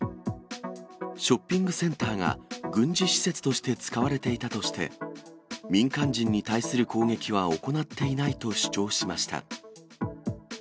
ショッピングセンターが軍事施設として使われていたとして、民間人に対する攻撃は行っていないと主張しました。